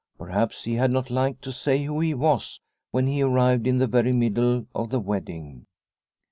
Perhaps he had not liked to say who he was when he arrived in the very middle of the wedding.